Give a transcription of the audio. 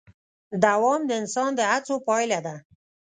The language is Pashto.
دوام د انسان د هڅو پایله ده.